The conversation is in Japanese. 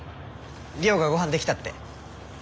理央がごはんできたって。